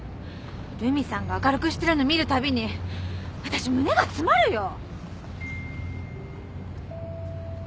留美さんが明るくしてるの見るたびに私胸が詰まるよ。